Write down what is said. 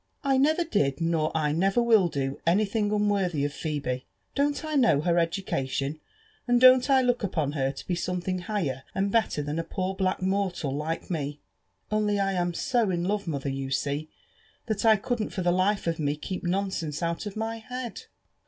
I never did, nor I never will do, anything unworthy of Phebe. Don't I know her education? — and don't I look upon her to be something higher and better than a poor black mortal like me? — Only I am so in love, mother, you see, that I couldn't for the life of me keep nonsense out of my head."